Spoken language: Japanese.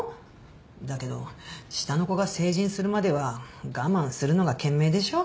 だけど下の子が成人するまでは我慢するのが賢明でしょ。